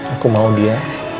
aku mau dia